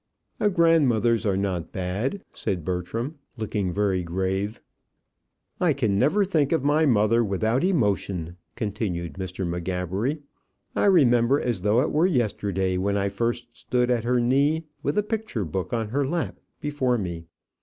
"A grandmother's are not bad," said Bertram, looking very grave. "I can never think of my mother without emotion," continued Mr. M'Gabbery. "I remember, as though it were yesterday, when I first stood at her knee, with a picture book on her lap before me.